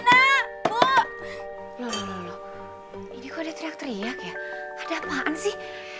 lho lho lho ini kok ada teriak teriak ya ada apaan sih